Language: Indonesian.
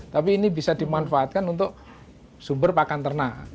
tapi ini bisa dimanfaatkan untuk sumber pakan ternak